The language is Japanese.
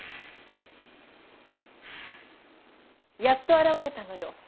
やっと現れたのよ